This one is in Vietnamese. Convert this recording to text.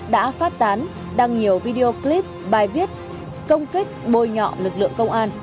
đã phát tán đăng nhiều video clip bài viết công kích bôi nhọ lực lượng công an